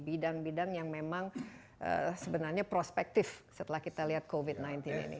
bidang bidang yang memang sebenarnya prospektif setelah kita lihat covid sembilan belas ini